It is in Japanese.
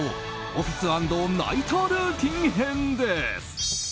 オフィス＆ナイトルーティン編です。